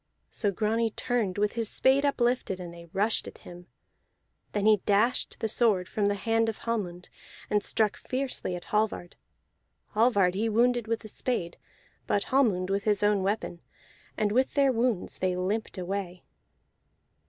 So Grani turned with his spade uplifted, and they rushed at him. Then he dashed the sword from the hand of Hallmund, and struck fiercely at Hallvard. Hallvard he wounded with the spade, but Hallmund with his own weapon, and with their wounds they limped away.